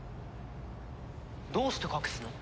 どうして隠すの？